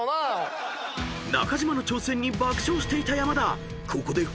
［中島の挑戦に爆笑していた山田］